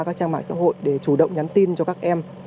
các trang mạng xã hội để chủ động nhắn tin cho các em